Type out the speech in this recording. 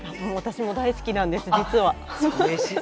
私も大好きなんです、実は。